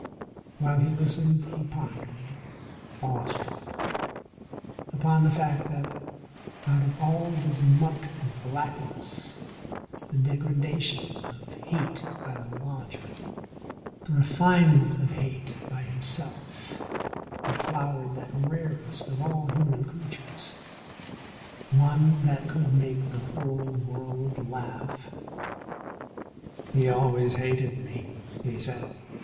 While he listened he pondered, awestruck, upon the fact that out of all this muck and blackness, the degradation of hate by the lodger, the refinement of hate by himself, had flowered that rarest of all human creatures one that could make the whole world laugh. "He always hated me," he said.